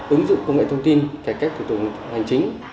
ứng dụng công nghệ thông tin cải cách thủ tục hành chính